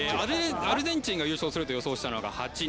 アルゼンチンが優勝すると予想したのが８人。